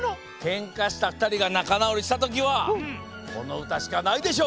けんかしたふたりがなかなおりしたときはこのうたしかないでしょう！